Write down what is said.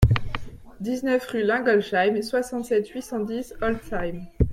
dix-neuf rue de Lingolsheim, soixante-sept, huit cent dix, Holtzheim